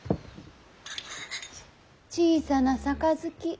小さな盃。